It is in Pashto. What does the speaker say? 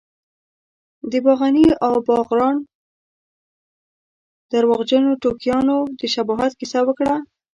د باغني او باغران درواغجنو ټوکیانو د شباهت کیسه وکړه.